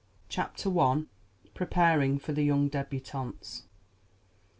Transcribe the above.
CHAPTER I PREPARING FOR THE YOUNG DÉBUTANTES.